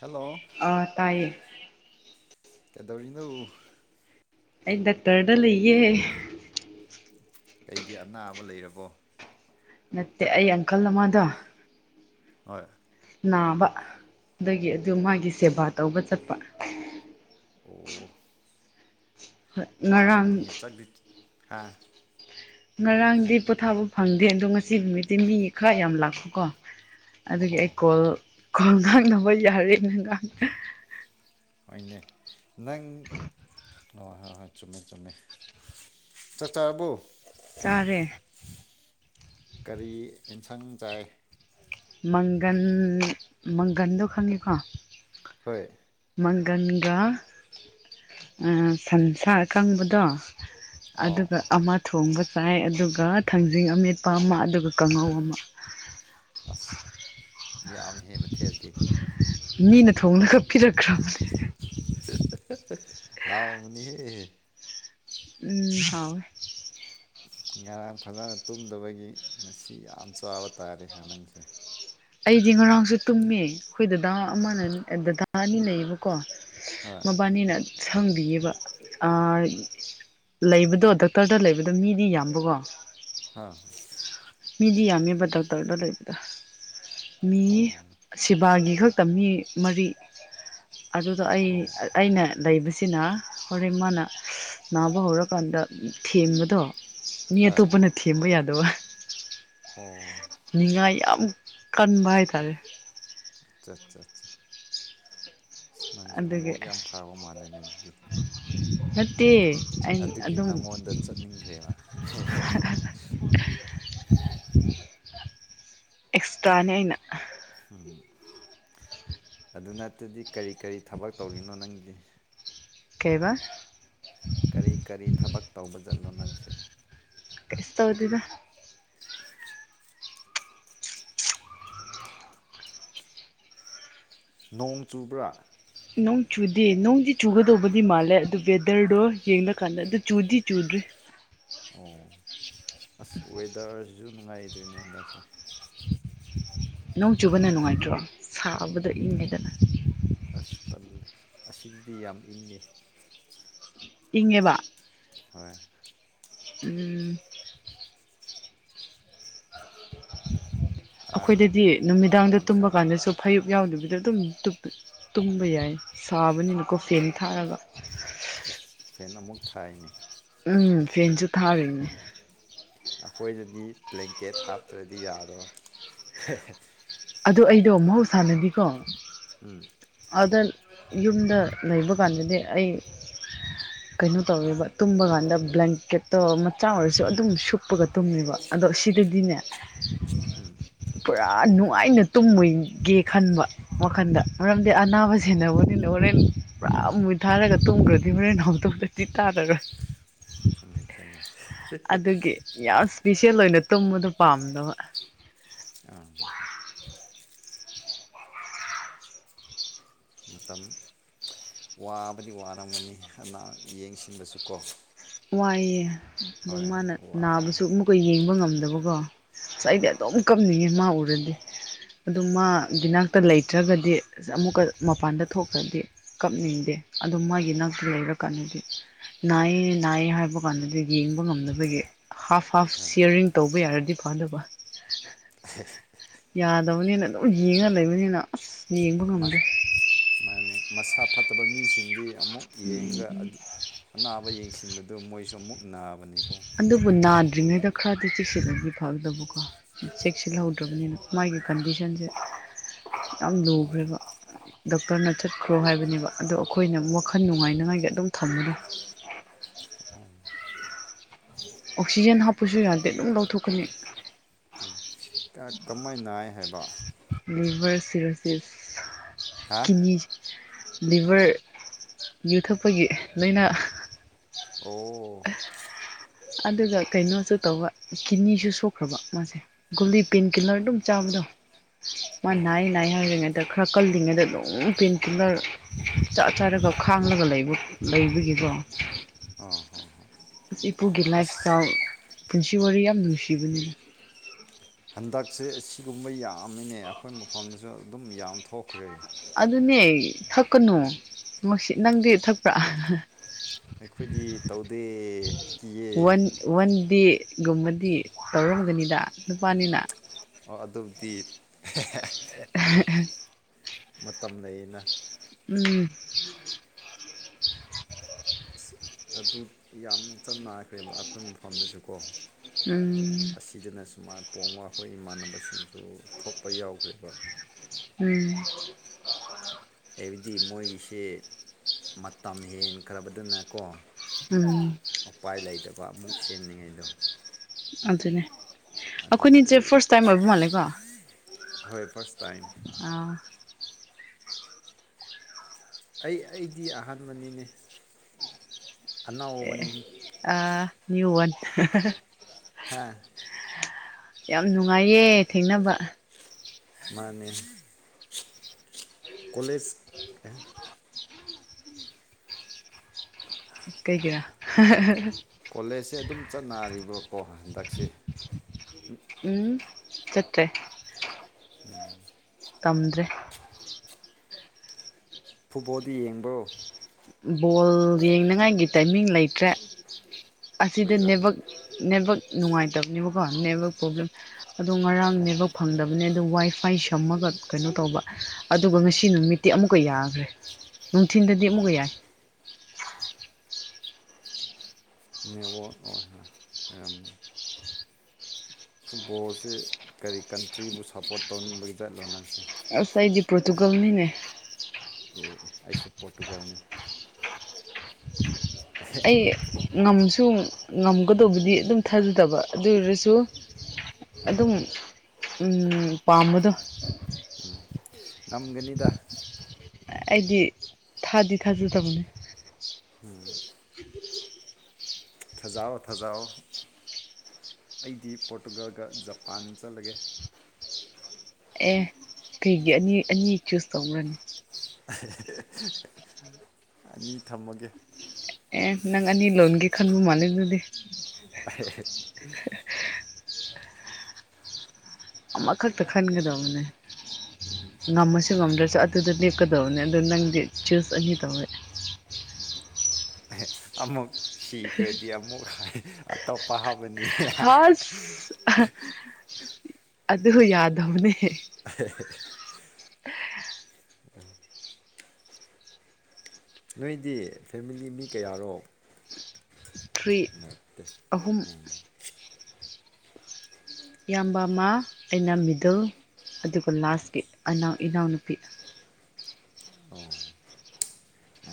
hello ꯑ ꯇꯥꯏꯌꯦ ꯀꯩꯗꯧꯔꯤꯅꯣ ꯑꯩ ꯗꯥꯛꯇꯔꯗ ꯂꯩꯌꯦ ꯀꯩꯒꯤ ꯑꯅꯥꯕ ꯂꯩꯔꯕꯣ ꯅꯠꯇꯦ ꯑꯩ ꯑꯪꯀꯜ ꯅꯃꯥꯗ ꯍꯣꯏ ꯅꯥꯕ ꯑꯗꯒꯤ ꯑꯗꯨ ꯃꯥꯒꯤ ꯁꯦꯕꯥ ꯇꯧꯕ ꯆꯠꯄ ꯑꯣ ꯉꯔꯥꯡ ꯍꯥꯥ ꯉꯔꯥꯡꯗꯤ ꯄꯣꯊꯥꯕ ꯐꯪꯗꯦ ꯑꯗꯣ ꯉꯁꯤ ꯅꯨꯃꯤꯠꯇꯤ ꯃꯤ ꯈꯔ ꯌꯥꯝ ꯂꯥꯛꯈꯣꯀꯣ ꯑꯣ ꯑꯗꯨꯒꯤ ꯑꯩ ꯑꯣ ꯀꯣꯜ ꯑꯣ ꯀꯣꯜ ꯉꯥꯡꯅꯕ ꯌꯥꯔꯦꯅ ꯉꯥꯡ ꯍꯣꯏꯅꯦ ꯅꯪ ꯍꯣꯏ ꯍꯣꯏ ꯍꯣꯏ ꯆꯨꯝꯃꯦ ꯆꯨꯝꯃꯦ ꯆꯥꯛ ꯆꯥꯔꯕꯣ ꯆꯥꯔꯦ ꯀꯔꯤ ꯑꯦꯟꯁꯥꯡ ꯆꯥꯏ ꯃꯪꯒꯟ ꯃꯪꯒꯟꯗꯣ ꯈꯪꯉꯦꯀꯣ ꯍꯣꯏ ꯃꯪꯒꯟꯒ ꯁꯟꯁꯥ ꯑꯀꯪꯕꯗꯣ ꯑꯣ ꯑꯗꯨꯒ ꯑꯣ ꯑꯃ ꯊꯣꯡꯕ ꯆꯥꯏ ꯑꯗꯨꯒ ꯊꯥꯡꯖꯤꯡ ꯑꯃꯦꯠꯄ ꯑꯃ ꯑꯗꯨꯒ ꯀꯥꯡꯉꯧ ꯑꯃ ꯑꯁ [unintelligible] ꯃꯤꯅ ꯊꯣꯡꯉꯒ ꯄꯤꯔꯛꯄꯅꯦ ꯍꯥꯎꯅꯤꯍꯦ ꯎꯝ ꯍꯥꯎꯋꯦ ꯉꯔꯥꯡ ꯐꯖꯅ ꯇꯨꯝꯗꯕꯒꯤ ꯉꯁꯤ ꯌꯥꯝ ꯆꯥꯕ ꯇꯥꯔꯦ ꯍꯥ ꯅꯪꯁꯦ ꯑꯩꯗꯤ ꯉꯔꯥꯡꯁꯨ ꯇꯨꯝꯃꯦ ꯑꯩꯈꯣꯏ ꯗꯗꯥ ꯑꯃꯅ ꯗꯗꯥ ꯑꯅꯤ ꯂꯩꯌꯦꯕꯀꯣ ꯍꯣꯏ ꯃꯕꯥꯅꯤꯅ ꯁꯪꯕꯤꯌꯦꯕ ꯂꯩꯕꯗꯣ ꯗꯣꯛꯇꯔꯗ ꯂꯩꯕꯗꯣ ꯃꯤꯗꯤ ꯌꯥꯝꯕꯀꯣ ꯍ ꯃꯤꯗꯤ ꯌꯥꯝꯃꯦꯕ ꯗꯣꯛꯇꯔꯗ ꯂꯩꯕꯗ ꯃꯤ ꯑꯣ ꯑꯣ ꯁꯤꯕꯥꯒꯤ ꯏꯈꯛꯇ ꯃꯤ ꯃꯔꯤ ꯑꯗꯨꯗ ꯑꯩ ꯑꯩꯅ ꯂꯩꯕꯁꯤꯅ ꯍꯣꯔꯦꯟ ꯃꯥꯅ ꯅꯥꯕ ꯍꯧꯔꯀꯥꯟꯗ ꯊꯦꯝꯕꯗꯣ ꯃꯤ ꯍꯣꯏ ꯍꯣꯏ ꯑꯇꯣꯞꯄꯅ ꯊꯦꯝꯕ ꯌꯥꯗꯕ ꯑꯣ ꯅꯤꯡꯉꯥꯏ ꯌꯥꯝ ꯀꯟꯕ ꯍꯥꯏꯇꯥꯔꯦ ꯑꯆꯥ ꯑꯆꯥꯆꯥ ꯅꯪꯁꯦ ꯑꯗꯨꯒꯤ ꯃꯕꯣꯛ ꯌꯥꯝ ꯐꯥꯕ ꯃꯥꯜꯂꯤꯅꯦ ꯑꯗꯨꯗꯤ ꯍꯠ ꯑꯗꯨꯒꯤ ꯅꯪꯉꯣꯟꯗ ꯆꯠꯅꯤꯡꯈ꯭ꯔꯦꯕ ꯑꯦꯛꯁꯇ꯭ꯔꯥꯅꯤ ꯑꯩꯅ ꯎꯝ ꯑꯗꯨ ꯅꯠꯇꯗꯤ ꯀꯔꯤ ꯀꯔꯤ ꯊꯕꯛ ꯇꯧꯔꯤꯅꯣ ꯅꯪꯗꯤ ꯀꯩꯕ ꯀꯔꯤ ꯀꯔꯤ ꯊꯕꯛ ꯇꯧꯕ ꯆꯠꯂꯣ ꯅꯪꯁꯦ ꯀ꯭ꯔꯤꯁꯇꯣꯗꯨꯗ ꯅꯣꯡ ꯆꯨꯕ꯭ꯔꯥ ꯅꯣꯡ ꯆꯨꯗꯦ ꯅꯣꯡꯗꯤ ꯆꯨꯒꯗꯧꯕꯗꯤ ꯃꯥꯜꯂꯦ ꯑꯗꯨ ꯋꯦꯗꯔꯗꯣ ꯌꯦꯡꯅ ꯀꯥꯟꯗ ꯑꯗꯨ ꯆꯨꯗꯤ ꯆꯨꯗ꯭ꯔꯤ ꯑꯣ ꯑꯁ ꯋꯦꯗꯔꯁꯤꯁꯨ ꯅꯨꯡꯉꯥꯏꯗꯣꯏꯅꯦ ꯍꯟꯗꯛꯁꯦ ꯅꯣꯡ ꯆꯨꯕꯅ ꯅꯨꯡꯉꯥꯏꯇ꯭ꯔꯣ ꯁꯥꯕꯗ ꯏꯪꯉꯦꯗꯅ ꯑꯁ ꯇꯜꯂꯦ ꯑꯁꯤꯗꯗꯤ ꯌꯥꯝ ꯏꯪꯉꯦ ꯏꯉ ꯋꯥ ꯍꯣꯏ ꯎꯝ ꯑꯥꯗꯗꯤ ꯑꯩꯈꯣꯏꯗꯗꯤ ꯅꯨꯃꯤꯗꯥꯡꯗ ꯌꯥꯝ ꯇꯨꯝꯕ ꯁꯥꯕ ꯀꯥꯟꯗꯁꯨ ꯐꯩ ꯌꯥꯎꯗꯕꯤꯗ ꯑꯗꯨꯝ ꯇꯨꯝꯕ ꯌꯥꯏ ꯁꯥꯕꯅꯤꯅ ꯀꯣꯐꯅꯤ ꯊꯥꯔꯒ ꯏꯁ ꯐꯦꯟ ꯑꯃꯨꯛ ꯊꯥꯏꯅꯤ ꯎꯝ ꯐꯦꯟꯁꯨ ꯊꯥꯅꯦ ꯑꯩꯈꯣꯏꯅꯗꯤ ꯕ꯭ꯂꯦꯡꯀꯦꯠ ꯍꯥꯞꯇ꯭ꯔꯗꯤ ꯌꯥꯗꯣꯏ ꯑꯗ ꯑꯩꯗꯣ ꯃꯍꯧꯁꯥꯅꯗꯤꯀꯣ ꯎꯝ ꯑꯗ ꯌꯨꯝꯗ ꯂꯩꯕ ꯀꯥꯟꯗꯗꯤ ꯑꯩ ꯀꯩꯅꯣ ꯇꯧꯋꯦꯕ ꯇꯨꯝꯕ ꯀꯥꯟꯗ ꯕ꯭ꯂꯦꯡꯀꯦꯠꯇꯣ ꯃꯆꯥ ꯑꯣꯏꯔꯁꯨ ꯑꯗꯨꯝ ꯁꯨꯞꯄꯒ ꯇꯨꯝꯃꯦꯕ ꯑꯗꯣ ꯁꯤꯗꯗꯤꯅꯦ ꯎꯝ ꯄꯨꯔꯥꯅꯨ ꯉꯥꯏꯅ ꯇꯨꯝꯃꯣꯏꯒꯦ ꯈꯟꯕ ꯋꯥꯈꯟꯗ ꯃꯔꯝꯗꯤ ꯑꯅꯥꯕ ꯁꯦꯟꯅꯕꯅꯤꯅ ꯍꯣꯔꯦꯟ ꯄꯨꯔꯥ ꯔꯥ ꯃꯨꯟꯅꯊꯥꯔꯒ ꯇꯨꯝꯒ꯭ꯔꯗꯤ ꯍꯣꯔꯦꯟ ꯍꯧꯗꯣꯔꯗꯤ ꯇꯥꯗꯔꯒ ꯆꯨꯝꯃꯦ ꯆꯨꯝꯃꯦ ꯑꯗꯨꯒꯤ ꯌꯥꯝ ꯁꯄꯤꯁꯦꯜ ꯑꯣꯏꯅ ꯇꯨꯝꯕꯗꯣ ꯄꯥꯝꯗꯕ ꯑꯥ ꯃꯇꯝ ꯋꯥꯕꯗꯤ ꯋꯥꯔꯝꯒꯅꯤ ꯑꯅꯥ ꯌꯦꯡꯁꯤꯟꯕꯁꯨꯀꯣ ꯋꯥꯏꯌꯦ ꯑꯗꯣ ꯃꯥꯅ ꯅꯥꯕꯁꯨ ꯋꯥꯕꯅꯤ ꯑꯃꯨꯛꯀꯥ ꯌꯦꯡꯕ ꯉꯝꯗꯕꯀꯣ ꯑꯁ ꯑꯩꯗꯤ ꯑꯗꯨꯝ ꯀꯝꯅꯤꯡꯉꯦ ꯃꯥ ꯎꯔꯗꯤ ꯑꯗꯨ ꯃꯥꯒꯤꯅꯥꯛꯇ ꯂꯩꯇ꯭ꯔꯒꯗꯤ ꯑꯁ ꯑꯃꯨꯛꯀ ꯃꯄꯥꯟꯗ ꯊꯣꯛꯈ꯭ꯔꯗꯤ ꯀꯞꯅꯤꯡꯗꯦ ꯑꯗꯨ ꯃꯥꯒꯤ ꯅꯥꯛꯇ ꯂꯩꯔꯀꯥꯟꯅꯗꯤ ꯅꯥꯢꯌꯦ ꯅꯥꯏꯌꯦ ꯍꯥꯏꯕ ꯀꯥꯟꯗꯗꯤ ꯌꯦꯡꯕ ꯉꯝꯗꯕꯒꯤ ꯍꯥꯐ ꯍꯥꯐ ꯍꯣꯏ ꯁꯤꯌꯥꯔꯔꯤꯡ ꯇꯧꯕ ꯌꯥꯔꯗꯤ ꯐꯗꯧꯕ [unintelligible] ꯌꯥꯗꯕꯅꯤꯅ ꯑꯗꯨꯝ ꯌꯦꯡꯉ ꯂꯩꯕꯅꯤꯅ ꯑꯁ ꯌꯦꯡꯕ ꯉꯝꯗꯦ ꯃꯥꯅꯦ ꯃꯁꯥ ꯐꯠꯇꯕ ꯃꯤꯁꯤꯡꯗꯤ ꯑꯃꯨꯛ ꯌꯦꯡꯉꯒ ꯑꯗꯨ ꯑꯅꯥꯕ ꯌꯦꯡꯁꯤꯟꯕꯗꯨ ꯃꯣꯏꯁꯨ ꯑꯃꯨꯛ ꯅꯥꯕꯅꯤꯀꯣ ꯗ꯭ꯔꯤꯉꯩꯗ ꯈꯔꯗꯤ ꯆꯦꯛꯁꯤꯜꯂꯗꯤ ꯐꯥꯜꯗꯕꯀꯣ ꯆꯦꯛꯁꯤꯜꯍꯧꯗ꯭ꯔꯕꯅꯤꯅ ꯃꯥꯒꯤ ꯀꯟꯗꯤꯁꯟꯁꯦ ꯌꯥꯝ ꯎꯝ ꯂꯨꯒ꯭ꯔꯦꯕ ꯗꯣꯛꯇꯔꯅ ꯆꯠꯈ꯭ꯔꯣ ꯍꯥꯏꯕꯅꯦꯕ ꯑꯗꯣ ꯑꯩꯈꯣꯏꯅ ꯋꯥꯈꯜ ꯅꯨꯡꯉꯥꯏꯅꯉꯥꯏꯒꯤ ꯑꯗꯨꯝ ꯊꯝꯕꯗꯣ ꯎꯝ [inaudible] ꯑꯣꯛꯁꯤꯖꯦꯟ ꯍꯥꯞꯄꯁꯨ ꯌꯥꯗꯦ ꯑꯗꯨꯝ ꯂꯧꯊꯣꯛꯀꯅꯤ ꯎꯝ ꯀꯃꯥꯏ ꯅꯥꯏ ꯍꯥꯏꯕ ꯂꯤꯚꯔ ꯁꯤꯔꯣꯁꯤꯁ ꯍꯥ ꯀꯤꯅꯤ ꯂꯤꯚꯔ ꯌꯨ ꯊꯛꯄꯒꯤ ꯂꯣꯏꯅ ꯑꯣ ꯑꯗꯨꯒ ꯀꯩꯅꯣꯁꯨ ꯇꯧꯕ ꯀꯤꯅꯤꯁꯨ ꯁꯣꯛꯈ꯭ꯔꯕ ꯃꯥꯁꯦ ꯒꯨꯂꯤ ꯄꯦꯟ ꯀꯤꯂꯔ ꯑꯗꯨꯝ ꯆꯥꯕ ꯗꯣ ꯃꯥ ꯑꯣ ꯅꯥꯏꯌꯦ ꯅꯥꯢꯌꯦ ꯍꯥꯢꯔꯤ ꯗ ꯈꯔ ꯀꯜꯂꯤꯉꯩꯗ ꯑꯗꯨꯝ ꯄꯦꯟꯀꯤꯂꯔ ꯆꯥ ꯆꯥꯔꯒ ꯈꯥꯡꯂꯒ ꯂꯩꯕ ꯂꯩꯕꯒꯤ ꯒꯣ ꯑꯣ ꯍꯣ ꯍꯣ ꯏꯄꯨꯒꯤ ꯂꯥꯏꯐ ꯁꯇꯥꯏꯜ ꯄꯨꯟꯁꯤ ꯋꯥꯔꯤ ꯌꯥꯝ ꯅꯨꯡꯁꯤꯕꯅꯤꯗ ꯍꯟꯗꯛꯁꯦ ꯑꯁꯤꯒꯨꯝꯕ ꯌꯥꯝꯅꯅꯦ ꯑꯩꯈꯣꯏ ꯃꯐꯝꯗꯁꯨ ꯑꯗꯨꯝ ꯌꯥꯝ ꯊꯣꯛꯈ꯭ꯔꯦ ꯑꯗꯨꯅꯦ ꯊꯛꯀꯅꯣ ꯃꯁꯤ ꯅꯪꯗꯤ ꯊꯛꯄ꯭ꯔꯥ ꯑꯩꯈꯣꯏꯗꯤ ꯇꯧꯗꯦ ꯀꯤꯌꯦ ꯗꯤ ꯒꯨꯝꯕꯗꯤ ꯇꯧꯔꯝꯒꯅꯤꯗ ꯎꯝ ꯅꯨꯄꯥꯅꯤꯅ ꯑꯣ ꯑꯗꯨꯕꯨꯗꯤ ꯃꯇꯝ ꯂꯩꯌꯦꯅ ꯎꯝ ꯑꯁ ꯑꯗꯨ ꯌꯥꯝ ꯆꯠꯅꯈ꯭ꯔꯦ ꯑꯩꯈꯣꯏ ꯃꯐꯝꯗꯁꯨ ꯀꯣ ꯎꯝ ꯑꯁꯤꯗꯅ ꯁꯨꯃꯥꯥꯟ ꯄꯣꯡꯃ ꯑꯩꯈꯣꯏ ꯏꯃꯥꯟꯅꯕꯁꯤꯡꯁꯨ ꯊꯣꯛꯄ ꯌꯥꯎꯒ꯭ꯔꯦꯕ ꯎꯝ ꯍꯥꯏꯕꯗꯤ ꯃꯣꯏꯒꯤꯁꯦ ꯃꯇꯝ ꯍꯦꯟꯈ꯭ꯔꯕꯗꯅꯀꯣ ꯎꯝ ꯎꯄꯥꯏ ꯂꯩꯇꯕ ꯑꯃꯨꯛ ꯁꯦꯝꯅꯤꯡꯉꯥꯢꯗꯣ ꯑꯗꯨꯅꯦ ꯑꯗꯨ ꯑꯩꯈꯣꯏꯅꯤꯁꯦ ꯐꯥꯔꯁ ꯇꯥꯏꯝ ꯑꯣꯏꯕ ꯃꯥꯜꯂꯦꯀꯣ ꯍꯣꯏ ꯐꯥꯔꯠꯁ ꯇꯥꯏꯝ ꯑꯥ ꯑꯩ ꯑꯩꯗꯤ ꯑꯍꯥꯟꯕꯅꯤꯅꯦ ꯑꯅꯧꯕꯅꯤ ꯑ ꯅꯤ ꯋꯥꯅꯤ ꯍꯥꯥ ꯌꯥꯝ ꯅꯨꯡꯉꯥꯏꯌꯦ ꯊꯦꯡꯅꯕ ꯃꯥꯅꯦ ꯀꯂꯦꯖ ꯀꯩ ꯀꯔ ꯀꯣꯂꯦꯖꯁꯦ ꯑꯗꯨꯝ ꯆꯠ ꯔꯤꯕ꯭ꯔꯀꯣ ꯍꯟꯗꯛꯁꯦ ꯎꯝ ꯆꯠꯇꯦ ꯎꯝ [unintelligible] ꯇꯝꯗ꯭ꯔꯦ ꯐꯨꯠꯕꯣꯜꯗ ꯌꯦꯡꯕ꯭ꯔꯣ ꯕꯣꯜ ꯌꯦꯡꯅꯉꯥꯏꯒꯤ ꯇꯥꯏꯃꯤꯡ ꯂꯩꯇ꯭ꯔꯦ ꯑꯁꯤꯗ ꯑꯣꯏꯔꯝ ꯅꯦꯠꯋꯥꯛꯛ ꯅꯦꯠꯋꯛ ꯅꯨꯡꯉꯥꯏꯇꯕꯅꯦꯕꯀꯣ ꯅꯦꯠꯋꯔꯛ ꯄ꯭ꯔꯣꯕ꯭ꯂꯦꯝ ꯑꯗꯣ ꯑꯣ ꯉꯔꯥꯡꯅꯦꯕ ꯐꯪꯗꯕ ꯅꯤ ꯑꯗꯨ ꯋꯥꯏ ꯐꯥꯏ ꯁꯝꯃꯒ ꯀꯩꯅꯣ ꯇꯧꯕ ꯑꯗꯨꯒ ꯉꯁꯤ ꯅꯨꯃꯤꯠꯇꯤ ꯑꯃꯨꯛꯀ ꯌꯥꯈ꯭ꯔꯦ ꯅꯨꯡꯊꯤꯟꯗꯤ ꯃꯨꯀꯥ ꯌꯥꯏ ꯅꯦꯠꯋꯥꯛ ꯑꯣꯏꯔꯝꯅꯤ ꯐꯨꯠꯕꯣꯜꯁꯤ ꯀꯔꯤ ꯀꯟꯇ꯭ꯔꯤꯕꯨ ꯁꯞꯄꯣꯔꯠ ꯇꯧꯅꯤꯡꯕꯒꯤꯗꯠ ꯂꯣ ꯅꯪꯁꯦ ꯑꯁ ꯑꯩꯗꯤ ꯄꯇꯨꯒꯜꯅꯤꯅꯦ ꯑꯦ ꯑꯩꯁꯨ ꯄꯣꯠꯇꯨꯒꯅꯤ ꯑꯩ ꯉꯝꯁꯨ ꯉꯝꯒꯗꯧꯕꯗꯤ ꯑꯗꯨꯝ ꯊꯥꯖꯗꯕ ꯑꯗꯨ ꯑꯣꯏꯔꯁꯨ ꯑꯗꯨꯝ ꯄꯥꯝꯕꯗꯣ ꯎ ꯉꯝꯒꯅꯤꯗ ꯑꯩꯗꯤ ꯊꯥꯗꯤ ꯊꯥꯖꯗꯕꯅꯦ ꯊꯖꯥꯎ ꯊꯥꯖꯥꯎ ꯑꯩꯗꯤ ꯄꯣꯔꯇꯨꯒꯜꯒ ꯖꯄꯥꯟ ꯆꯠꯂꯒꯦ ꯑꯦ ꯀꯩꯒꯤ ꯑꯅꯤ ꯑꯅꯤ ꯆꯨꯁ ꯇꯧꯈ꯭ꯔꯅꯤ ꯑꯅꯤ ꯊꯝꯃꯒꯦ ꯑꯦ ꯅꯪ ꯑꯅꯤ ꯂꯣꯟꯒ ꯈꯟꯕ ꯃꯥꯜꯂꯦ ꯑꯗꯨꯗꯤ ꯑꯃꯀꯛꯇ ꯈꯒꯗꯕ ꯃꯅꯤꯅꯦ ꯉꯝꯃꯁꯨ ꯉꯝꯗ꯭ꯔꯁꯨ ꯑꯗꯨꯗ ꯂꯦꯞꯀꯗꯕꯅꯤ ꯑꯗꯨ ꯅꯪꯗꯤ ꯆꯨꯁ ꯑꯅꯤ ꯇꯧꯋꯦ [unintelligible] ꯑꯃꯨꯛ ꯁꯤꯈ꯭ꯔꯗꯤ ꯑꯃꯨꯛ ꯍꯥꯏ ꯑꯇꯣꯞꯄ ꯍꯥꯞꯄꯅꯤ ꯍꯁ ꯑꯗꯨ ꯌꯥꯗꯧꯅꯦ ꯑ [unintelligible] ꯅꯣꯏꯗꯤ ꯐꯦꯃꯤꯂꯤ ꯃꯤ ꯀꯌꯥꯔꯣ ꯊ꯭ꯔꯤ ꯅꯠꯇꯦ ꯑꯍꯨꯝ ꯏꯌꯥꯝꯕ ꯑꯃ ꯑꯩꯅ ꯃꯤꯗꯨꯜ ꯑꯗꯨꯒ ꯂꯥꯁꯀꯤ ꯑꯅꯥꯎ ꯏꯅꯥꯎꯅꯨꯄꯤ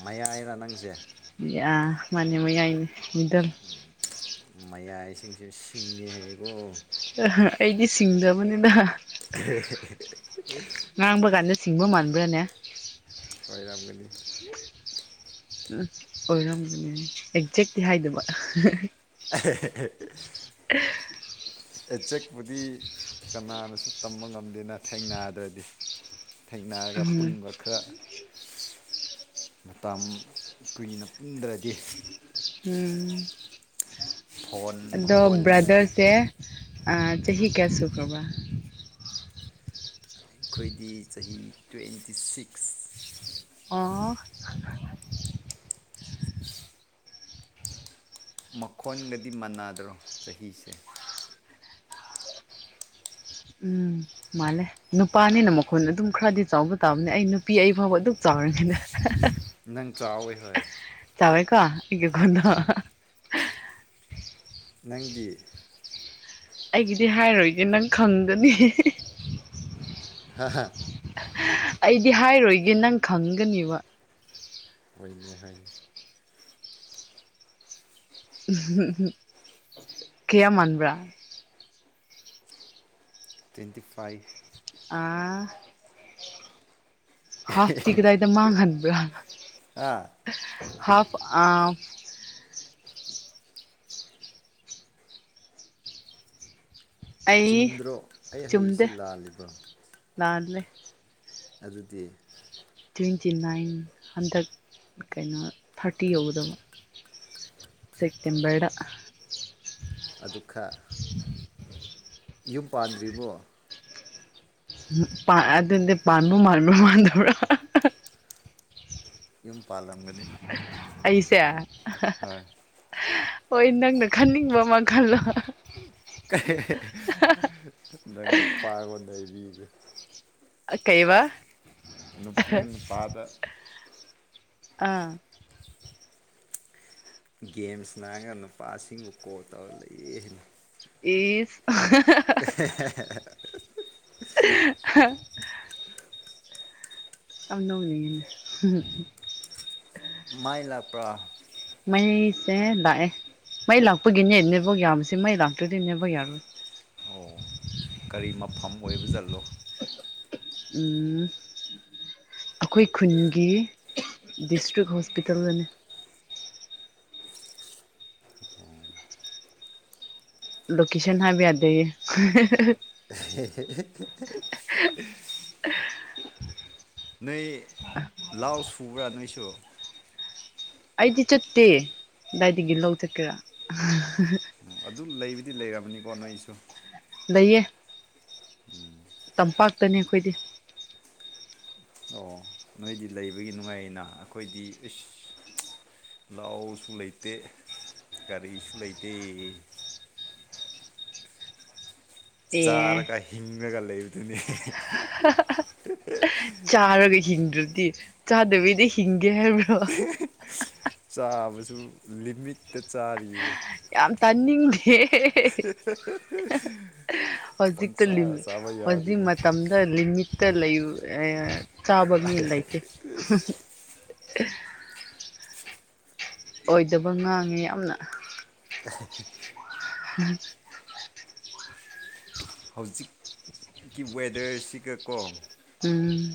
ꯃꯌꯥꯏꯔꯥ ꯅꯪꯁꯦ ꯃꯅꯤ ꯃꯌꯥꯥꯏ ꯃꯤꯗꯜ ꯃꯌꯥ ꯏꯁꯤꯡꯁꯨ ꯁꯤꯡꯉꯦ ꯍꯥꯏꯀꯣ ꯑ ꯑꯩꯗꯤ ꯁꯤꯡꯗꯕꯅꯤꯅ ꯉꯥꯡꯕ ꯀꯥꯟꯅ ꯁꯤꯡꯕ ꯃꯥꯟꯕꯥꯟꯕ꯭ꯔꯅꯦ ꯋꯥꯏꯔꯞꯒꯂꯤ ꯑꯣꯏꯔꯝꯗꯅꯤꯅꯦ ꯑꯦꯛꯖꯦꯛ ꯍꯥꯏꯗꯕ [unintelligible] ꯑꯦꯆꯦꯛꯄꯨꯗꯤ ꯀꯅꯥꯅꯁꯨ ꯇꯝꯕ ꯉꯝꯗꯦꯅ ꯊꯦꯡꯅꯗ꯭ꯔꯗꯤ ꯊꯦꯡꯅꯔꯒ ꯎꯝ ꯄꯨꯟꯕ ꯈꯔ ꯃꯇꯝ ꯀꯨꯏꯅ ꯄꯨꯟꯗ꯭ꯔꯗꯤ ꯎꯝ ꯐꯣꯟ ꯑꯗ ꯃꯈꯣꯟꯗꯅꯗꯤ ꯕ꯭ꯔꯥꯗꯔꯁꯦ ꯆꯍꯤ ꯀꯁꯨꯨ ꯀꯕꯥ ꯑꯩꯈꯣꯏꯗꯤ ꯆꯍꯤ ꯇ꯭ꯋꯦꯟꯇꯤ ꯁꯤꯛꯁ ꯑꯣ ꯃꯈꯣꯟꯒꯗꯤ ꯃꯥꯟꯅꯗ꯭ꯔꯣ ꯆꯍꯤꯁꯦ ꯎꯝ ꯃꯥꯜꯂꯦ ꯅꯨꯄꯥꯅꯤꯅ ꯃꯈꯣꯟ ꯑꯗꯨꯝ ꯈꯔꯗꯤ ꯆꯥꯎꯕ ꯇꯥꯕꯅꯦ ꯑꯩ ꯅꯨꯄꯤ ꯑꯩ ꯐꯥꯎꯕ ꯑꯗꯨꯛ ꯆꯥꯎ ꯗ ꯅꯪ ꯆꯥꯎꯋꯦ ꯍꯣꯏ ꯆꯕꯥꯏ ꯀꯣ ꯏ ꯈꯨꯣꯟꯅ ꯅꯪꯗꯤ ꯑꯩꯒꯤꯗꯤ ꯍꯥꯏꯔꯣꯏꯒꯦ ꯅꯪ ꯈꯪꯒꯅꯤ ꯑꯍ ꯑꯩꯗꯤ ꯍꯥꯏꯔꯣꯏꯒꯦ ꯅꯪ ꯈꯪꯒꯅꯦꯕ ꯑꯣꯏꯅꯦ ꯍꯥꯏꯅ ꯀꯌꯥ ꯃꯥꯟꯕꯕ꯭ꯔꯥ ꯇ꯭ꯋꯦꯟꯇꯤ ꯐꯥꯏꯚ ꯑꯥ ꯍꯥꯐꯇꯤ ꯀꯗꯥꯏꯗ ꯃꯥꯡꯍꯟꯕ꯭ꯔꯥꯅ ꯑꯥ ꯍꯥꯐ ꯑꯥ ꯑꯩ ꯆꯨꯝꯗ꯭ꯔꯣ ꯑꯩ ꯍꯩꯁ ꯂꯥꯜꯂꯤꯕ꯭ꯔꯣ ꯂꯜꯂꯦ ꯑꯗꯨꯗꯤ ꯇ꯭ꯋꯦꯟꯇꯤ ꯅꯥꯏꯟ ꯍꯟꯗꯛ ꯀꯩꯅꯣ ꯊꯥꯔꯇꯤ ꯌꯧꯗꯕ ꯁꯤꯛꯇꯦꯝꯕꯔ ꯑꯗꯨ ꯈꯔ ꯌꯨꯝ ꯄꯥꯟꯗ꯭ꯔꯤꯕꯔꯤꯕꯣ ꯄ ꯑꯗꯨꯗꯤ ꯄꯅꯨ ꯃꯥꯅꯨ ꯃꯥꯗꯧꯔ ꯌꯨꯝ ꯄꯥꯜꯂꯝꯒꯅꯤ ꯑꯩꯁꯦ ꯍꯣꯏ ꯍꯣꯏ ꯅꯪꯅ ꯈꯟꯅꯤꯡꯕ ꯑꯃ ꯈꯜꯂꯣ ꯅꯪ ꯅꯨꯄꯥꯉꯣꯟꯗꯩꯕꯤꯒꯦ ꯀꯩ ꯋꯥ ꯅꯪ ꯅꯨꯄꯥꯗ ꯑꯥ ꯒꯦꯝꯁ ꯅꯥꯥꯡꯔꯒ ꯅꯨꯄꯥꯁꯤꯡꯕꯨ ꯀꯣꯜ ꯇꯧꯔ ꯂꯩꯑ ꯍꯥꯏꯅ ꯏ [unintelligible] ꯑꯅꯧ ꯃꯥꯏ ꯂꯥꯛꯄ꯭ꯔ ꯁꯦ ꯂꯥꯛꯑꯦ ꯃꯩ ꯂꯥꯛꯄꯒꯤꯅꯦ ꯅꯦꯕꯣꯛ ꯌꯥꯁꯦ ꯃꯩ ꯂꯥꯛꯇꯣꯏꯗꯤꯅꯦꯕꯣꯛ ꯌꯥꯔꯣꯏ ꯑꯣ ꯀꯔꯤ ꯃꯐꯝ ꯑꯣꯏꯕ ꯆꯠꯂꯣ ꯎꯝ ꯑꯩꯈꯣꯏ ꯈꯨꯟꯒꯤ ꯗꯤꯁꯇ꯭ꯔꯤꯛ ꯍꯣꯁꯄꯤꯇꯥꯜꯗꯅꯤ ꯂꯣꯀꯦꯁꯟ ꯍꯥꯕꯤ ꯌꯥꯗ ꯍ ꯅꯣꯏ ꯂꯥꯎ ꯁꯨ꯭ꯔꯥ ꯅꯣꯏꯁꯨ ꯑꯩꯗꯤ ꯆꯠꯇꯦ ꯑꯗꯨꯗꯥꯏꯗꯒꯤ ꯂꯧ ꯆꯠꯀꯦ ꯑꯗꯨ ꯂꯩꯕꯨꯗꯤ ꯂꯩꯔꯕꯅꯤꯀꯣ ꯅꯣꯏꯁꯨ ꯇꯌꯦ ꯎꯝ ꯇꯝꯄꯥꯛꯇꯅꯦ ꯑꯩꯈꯣꯏꯗꯤ ꯑꯣ ꯅꯣꯏꯗꯤ ꯂꯩꯕꯒꯤ ꯅꯨꯡꯉꯥꯏꯅ ꯑꯩꯈꯣꯏꯗꯤ ꯏꯁ ꯂꯅꯥꯎꯁꯨ ꯂꯩꯇꯦ ꯀꯒꯥꯔꯤꯁꯨ ꯂꯩꯇꯦ [unintelligible] ꯑꯦ ꯆꯥꯔꯒ ꯍꯤꯡꯉꯒ ꯂꯩꯕꯗꯨꯅꯤ ꯆꯥꯔꯒ ꯍꯤꯡꯗ꯭ꯔꯗꯤ ꯆꯥꯗꯕꯤꯗꯤ ꯍꯤꯡꯒꯦ ꯍꯥꯏꯕ꯭ꯔꯣ ꯆꯥꯕꯁꯨ ꯂꯤꯃꯤꯠꯇ ꯆꯥꯔꯤꯌꯦ ꯌꯥꯝ ꯇꯥꯅꯤꯡꯗꯦ [unintelligible] ꯍꯧꯖꯤꯛꯇ ꯄꯪꯆꯥ ꯆꯥꯕ ꯍꯧꯖꯤꯛ ꯌꯥꯗꯦꯅꯦ ꯃꯇꯝꯗ ꯂꯤꯃꯤꯠ [unintelligible] ꯆꯥꯕ ꯃꯤ ꯂꯩꯇꯦ ꯑꯦ ꯑꯣꯏꯗꯕ ꯉꯥꯡꯉꯤ ꯌꯥꯝꯅ [unintelligible] ꯎꯝ ꯍꯧꯖꯤꯛꯀꯤ ꯋꯦꯗꯔꯁꯤꯒ ꯀꯣ ꯎꯝ